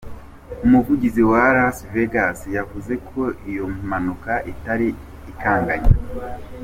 Umuvugizi wa Las Vegas yavuze ko iyo mpanuka itari ikanganye.